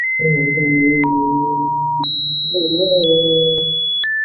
附贡出身。